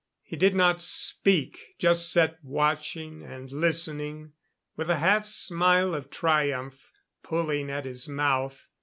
He did not speak, just sat watching and listening, with a half smile of triumph pulling at his mouth.